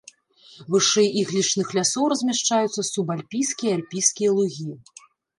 Вышэй іглічных лясоў размяшчаюцца субальпійскія і альпійскія лугі.